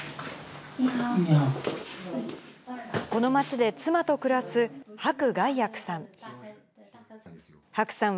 この町で、妻と暮らす白凱躍さん。